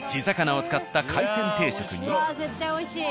うわ絶対美味しい。